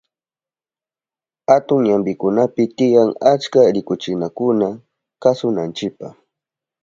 Atun ñampikunapi tiyan achka rikuchinakuna kasunanchipa.